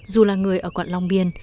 dù là người ở quận long biên